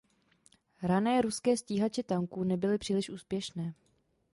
Rané ruské stíhače tanků nebyly příliš úspěšné.